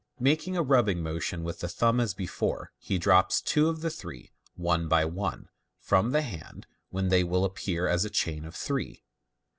Making a rubbing motion with the thumb as before, he drops two of the three, one by one, from the hand, when they will appear as a chain of three.